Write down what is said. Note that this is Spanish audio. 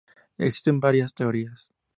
Existen varias teorías.